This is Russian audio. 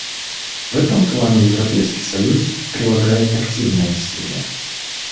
В этом плане Европейский союз прилагает активные усилия.